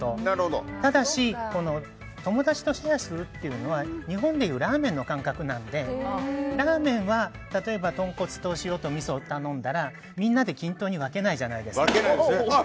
ただし、友達とシェアするのは日本でいうラーメンの感覚なのでラーメンは例えばトンコツと塩とみそを頼んだらみんなで均等に分けないじゃないですか。